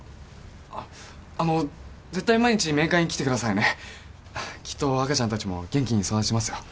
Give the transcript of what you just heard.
あの絶対毎日面会に来てくださいねきっと赤ちゃんたちも元気に育ちますよ